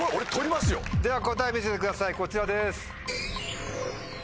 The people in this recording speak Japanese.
では答え見せてくださいこちらです。